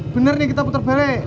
bener nih kita putar balik